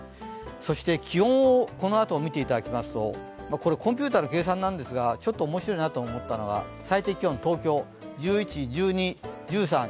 そして気温を見ていただきますと、コンピューターの計算なんですがちょっとおもしろいなと思ったのが最低気温、東京、１１、１２、１３、１４、１５、１６、１７。